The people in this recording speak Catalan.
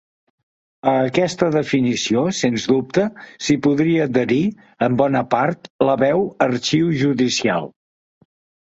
A aquesta definició, sens dubte, s'hi podria adherir, en bona part, la veu Arxiu Judicial.